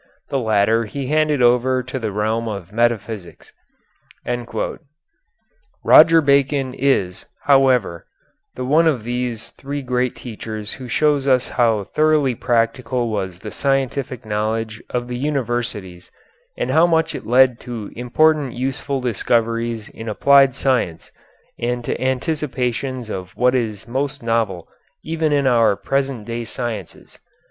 The latter he handed over to the realm of metaphysics. Roger Bacon is, however, the one of these three great teachers who shows us how thoroughly practical was the scientific knowledge of the universities and how much it led to important useful discoveries in applied science and to anticipations of what is most novel even in our present day sciences.